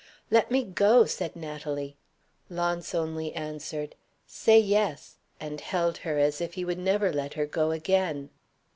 "Let me go!" said Natalie. Launce only answered, "Say yes," and held her as if he would never let her go again.